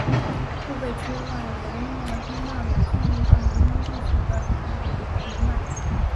付费区外联络通道有记载大门历史的铭版。